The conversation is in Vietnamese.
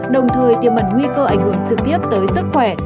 đồng thời tiêm mật nguy cơ ảnh hưởng trực tiếp tới sức khỏe